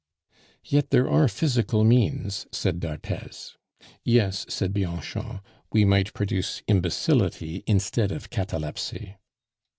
"Yet there are physical means," said d'Arthez. "Yes," said Bianchon; "we might produce imbecility instead of catalepsy."